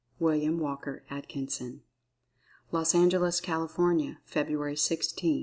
WILLIAM WALKER ATKINSON. Los Angeles, California, February 16, 1906.